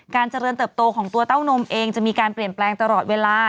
เจริญเติบโตของตัวเต้านมเองจะมีการเปลี่ยนแปลงตลอดเวลา